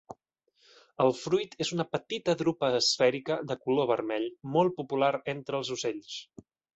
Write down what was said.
El fruit és una petita drupa esfèrica de color vermell molt popular entre els ocells.